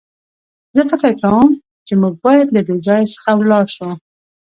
زه فکر کوم چې موږ بايد له دې ځای څخه ولاړ شو.